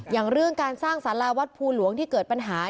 อย่างเรื่องการสร้างสาราวัดภูหลวงที่เกิดปัญหา